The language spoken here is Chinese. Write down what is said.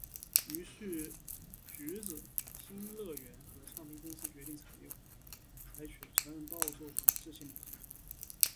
于是橘子新乐园和唱片公司决定采取承认盗作和致歉的态度。